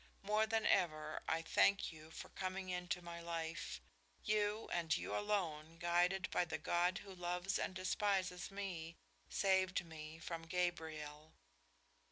More than ever, I thank you for coming into my life. You and you alone, guided by the God who loves and despises me, saved me from Gabriel."